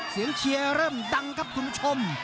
เสียงเชียเริ่มดังครับคุณผู้ชม